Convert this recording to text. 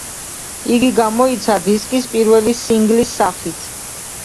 იგი გამოიცა დისკის პირველი სინგლის სახით.